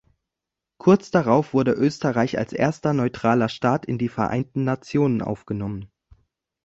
Kurz darauf wurde Österreich als erster neutraler Staat in die Vereinten Nationen aufgenommen.